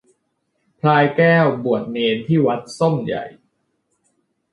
พลายแก้วบวชเณรที่วัดส้มใหญ่